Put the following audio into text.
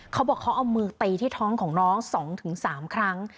เขาบอกเขาเอามือตีที่ท้องของน้อง๒๓ครั้ง